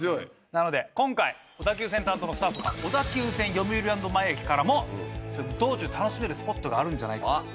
なので今回小田急線担当のスタッフが小田急線読売ランド前駅からも道中楽しめるスポットがあるんじゃないかと。